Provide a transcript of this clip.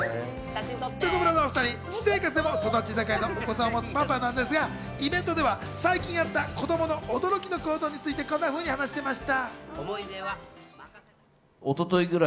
チョコプラのお２人、生活でも育ち盛りのお子さんをもつパパなんですが、イベントでは最近あった子供の驚きの行動について、こんなふうに話していました。